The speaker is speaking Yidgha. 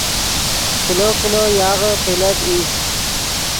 کلو کلو یاغے قلت ای